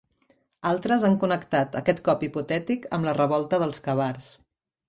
Altres han connectat aquest cop hipotètic amb la revolta dels Kabars.